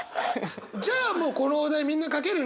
じゃあもうこのお題みんな書けるね！